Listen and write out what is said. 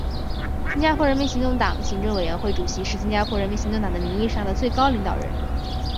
新加坡人民行动党行政委员会主席是新加坡人民行动党的名义上的最高领导人。